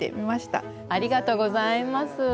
ありがとうございます。